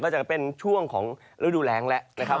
ก็จะเป็นช่วงของฤดูแรงแล้วนะครับ